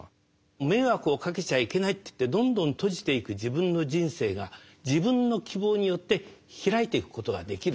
迷惑をかけちゃいけないっていってどんどん閉じていく自分の人生が自分の希望によって開いていくことができる。